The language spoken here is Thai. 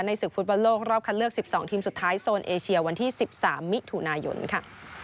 ในศึกฟุตประโลกรอบคันเลือกสิบสองทีมสุดท้ายโซนเอเชียวันที่สิบสามมิถุนายนค่ะ